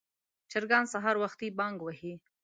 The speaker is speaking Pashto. چرګان سهار وختي بانګ وهي.